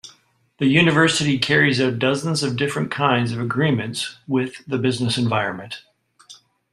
The university carries out dozens of different kinds of agreements with the business environment.